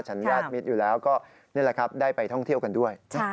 ัญญามิตรอยู่แล้วก็นี่แหละครับได้ไปท่องเที่ยวกันด้วย